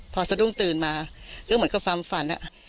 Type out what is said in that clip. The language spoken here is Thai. พอสะดุ้งตื่นมาก็เหมือนกับความฝัน